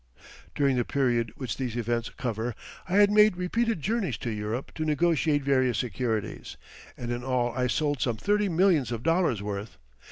During the period which these events cover I had made repeated journeys to Europe to negotiate various securities, and in all I sold some thirty millions of dollars worth.